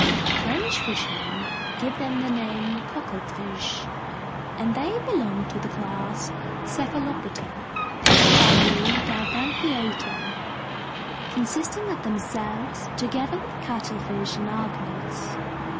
French fishermen give them the name "cuckoldfish," and they belong to the class Cephalopoda, family Dibranchiata, consisting of themselves together with cuttlefish and argonauts.